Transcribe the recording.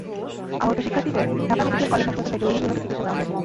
আহত শিক্ষার্থীদের Dhaka medical college হাসপাতালের জরুরি বিভাগে চিকিৎসা দেওয়া হয়েছে।